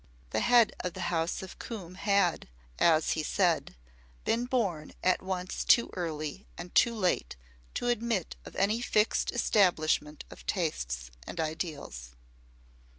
The Head of the House of Coombe had, as he said, been born at once too early and too late to admit of any fixed establishment of tastes and ideals.